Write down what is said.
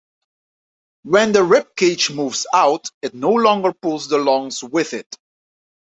When the rib cage moves out, it no longer pulls the lungs with it.